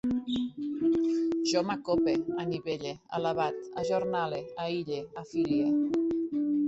Jo m'acope, anivelle, alabat, ajornale, aïlle, afilie